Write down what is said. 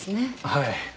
はい。